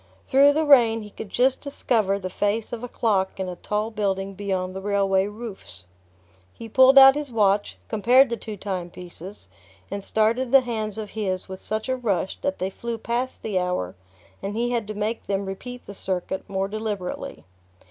Through the rain he could just discover the face of a clock in a tall building beyond the railway roofs. He pulled out his watch, compared the two time pieces, and started the hands of his with such a rush that they flew past the hour and he had to make them repeat the circuit more deliberately.